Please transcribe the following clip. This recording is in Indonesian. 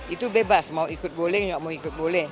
itu bebas mau ikut boleh nggak mau ikut boleh